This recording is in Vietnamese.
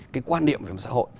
cái quan niệm về xã hội